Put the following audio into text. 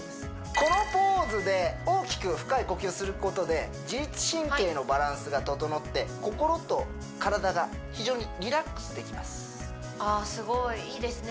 このポーズで大きく深い呼吸をすることで自律神経のバランスが整って心と体が非常にリラックスできますあすごいいいですね